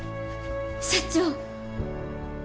社長！